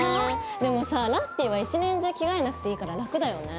でもさラッピィは一年中着替えなくていいから楽だよね。